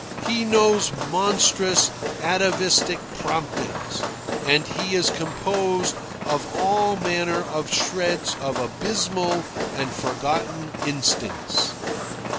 He knows monstrous, atavistic promptings, and he is composed of all manner of shreds of abysmal and forgotten instincts."